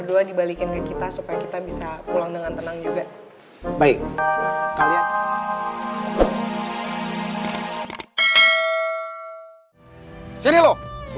gue bikin penyok sekalian lo